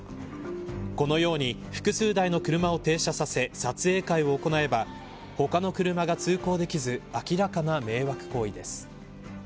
このように複数台の車を停車させ撮影会を行えば他の車が通行できず明らかな迷惑行為です。